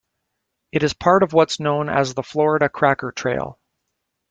It is part of what's known as the Florida Cracker Trail.